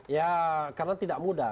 ya karena tidak mudah